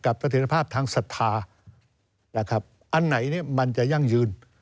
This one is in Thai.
กับสถิตภาพทางศรัทธาอันไหนมันจะยังยืน